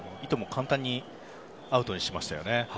簡単にアウトにしましたよね。